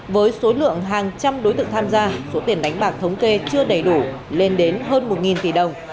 với số lượng hàng trăm đối tượng tham gia số tiền đánh bạc thống kê chưa đầy đủ lên đến hơn một tỷ đồng